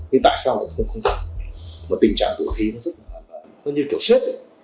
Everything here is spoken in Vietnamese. nhưng tại sao nó không có một tình trạng tự khí nó giống như kiểu suết ấy